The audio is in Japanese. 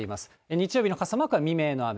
日曜日の傘マークは未明の雨。